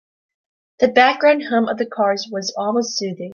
The background hum of the cars was almost soothing.